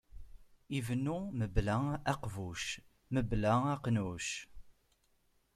Ibennu mebla aqbuc, mebla aqnuc.